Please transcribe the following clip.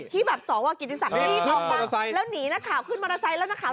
ที่แบบสวกิติศักดิ์ทรีย์ออกมาแล้วหนีนะครับขึ้นมอเตอร์ไซต์แล้วนะครับ